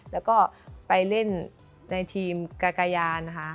แล้วก็ไปเล่นในทีมกากยานะคะ